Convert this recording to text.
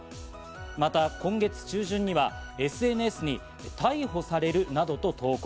また、今月中旬にはＳＮＳに逮捕されるなどと投稿。